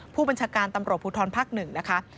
ผู้บัญชาการตำรวจภูทรภาค๑นะคะ